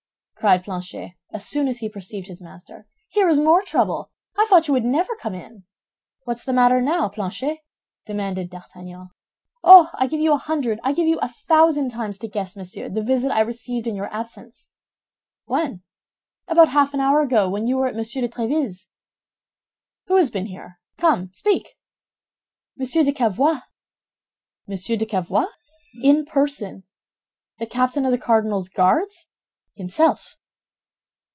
cried Planchet, as soon as he perceived his master, "here is more trouble. I thought you would never come in." "What's the matter now, Planchet?" demanded D'Artagnan. "Oh! I give you a hundred, I give you a thousand times to guess, monsieur, the visit I received in your absence." "When?" "About half an hour ago, while you were at Monsieur de Tréville's." "Who has been here? Come, speak." "Monsieur de Cavois." "Monsieur de Cavois?" "In person." "The captain of the cardinal's Guards?" "Himself."